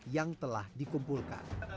yang telah dikumpulkan